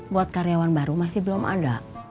buat karyawan baru masih belum ada